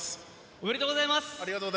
おめでとうございます。